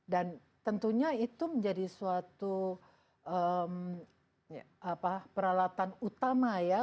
dan tentunya itu menjadi suatu peralatan utama ya